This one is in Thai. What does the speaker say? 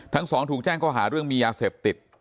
ทั้งสองถูกแจ้งข้อหาเรื่องมียาเสพติด